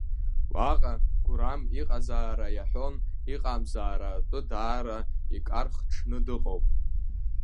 Уаҟа Гурам иҟазаара иаҳәон иҟамзаара атәы даара иҟар хҽны дыҟоуп…